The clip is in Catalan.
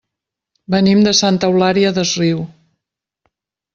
Venim de Santa Eulària des Riu.